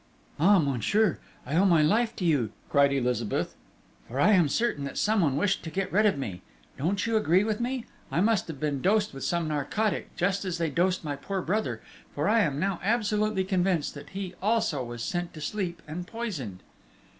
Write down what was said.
"Ah, monsieur, I owe my life to you!" cried Elizabeth. "For, I am certain that someone wished to get rid of me ... don't you agree with me?... I must have been dosed with some narcotic, just as they dosed my poor brother, for I am now absolutely convinced that he also was sent to sleep and poisoned...."